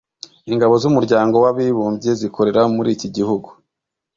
ingabo z’Umuryango w’Abibumbye zikorera muri iki gihugu